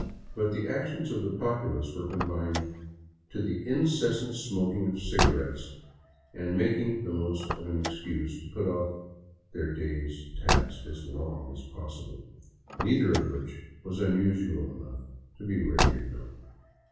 But the actions of the populace were confined to the incessant smoking of cigarettes and to making the most of an excuse to put off their day's task as long as possible — neither of which was unusual enough to be worthy of note.